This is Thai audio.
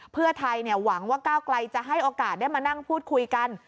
เพื่อไทยหวังว่าก้าวไกลจะให้โอกาสได้มานั่งพูดคุยกัน